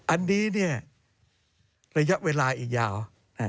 อันนี้เนี่ยระยะเวลาอีกยาว